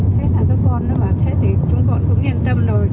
thế là các con nó bảo thế thì chúng tôi cũng yên tâm rồi